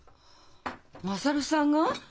優さんが？